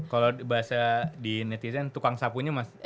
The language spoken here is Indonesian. kalau bahasa di netizen tukang sapunya mas